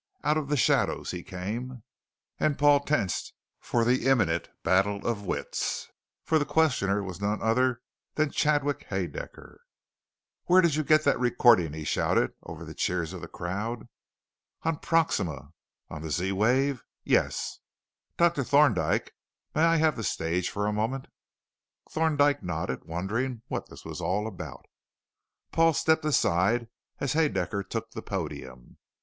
Out of the shadows he came, and Paul tensed for the imminent battle of wits, for the questioner was none other than Chadwick Haedaecker. "Where did you get that recording?" he shouted over the cheers of the crowd. "On Proxima." "On the Z wave?" "Yes." "Doctor Thorndyke, may I have the stage for a moment?" Thorndyke nodded, wondering what this was all about. Paul stepped aside as Haedaecker took the podium.